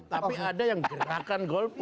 tapi ada yang gerakan golput